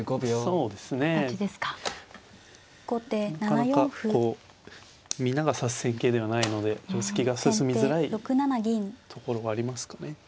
なかなかこうみんなが指す戦型ではないので定跡が進みづらいところはありますかね。